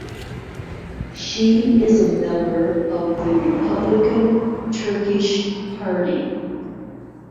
She is a member of the Republican Turkish Party.